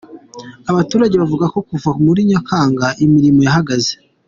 Abaturage bavuga ko kuva muri Nyakanga imirimo yahagaze.